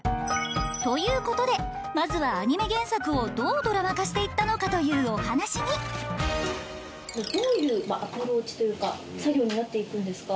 ということでまずはアニメ原作をどうドラマ化して行ったのかというお話にどういうアプローチというか作業になって行くんですか？